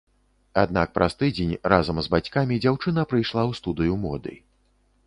Аднак праз тыдзень разам з бацькамі дзяўчына прыйшла ў студыю моды.